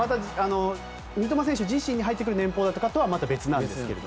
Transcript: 三笘選手自身に入ってくる年俸とかとは別なんですが。